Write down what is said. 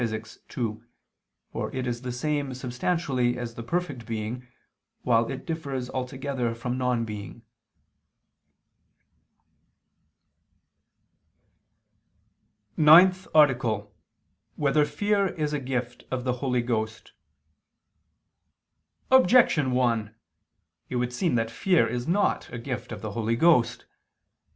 _ ii, for it is the same substantially as the perfect being, while it differs altogether from non being. _______________________ NINTH ARTICLE [II II, Q. 19, Art. 9] Whether Fear Is a Gift of the Holy Ghost? Objection 1: It would seem that fear is not a gift of the Holy Ghost.